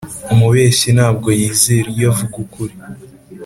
umubeshyi ntabwo yizera iyo avuga ukuri.